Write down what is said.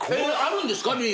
あるんですか？